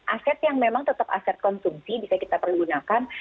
aset yang memang tetap aset konsumsi bisa kita pergunakan